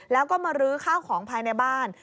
แล้วก็มาลื้อข้าวของภายในบ้าน